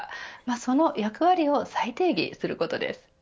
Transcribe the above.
その役割を再定義することです。